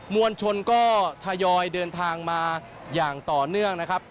วลชนก็ทยอยเดินทางมาอย่างต่อเนื่องนะครับ